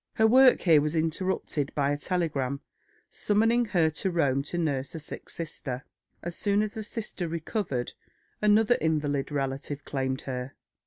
Her work here was interrupted by a telegram summoning her to Rome to nurse a sick sister. As soon as the sister recovered, another invalid relative claimed her.